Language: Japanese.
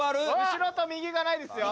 後ろと右がないですよ。